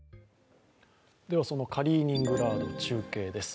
そのカリーニングラード、中継です。